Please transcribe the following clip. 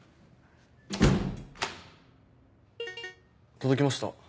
届きました。